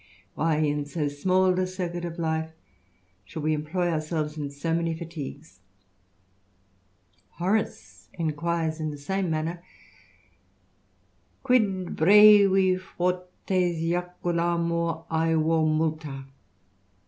"Why in so small a circuit of life should we employ ourselves in so many fatigues?" Horace enquires in the same manner, Quid brevi fortes jaculamuravo Multa